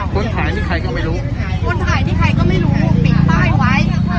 คนถ่ายนี่ใครก็ไม่รู้คนถ่ายนี่ใครก็ไม่รู้ปิดป้ายไว้